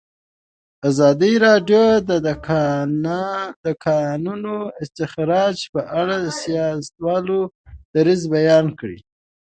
ازادي راډیو د د کانونو استخراج په اړه د سیاستوالو دریځ بیان کړی.